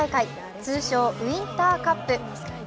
通称・ウインターカップ。